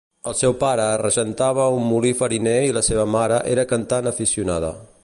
El seu pare regentava un molí fariner i la seva mare era cantant aficionada.